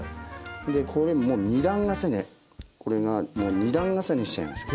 でこれもう２段重ねこれがもう２段重ねにしちゃいます。